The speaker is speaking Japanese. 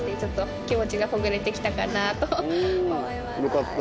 よかった。